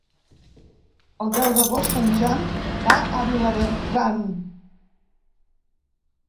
El deu d'agost en Jan va a Vilabertran.